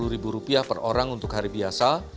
dua puluh ribu rupiah per orang untuk hari biasa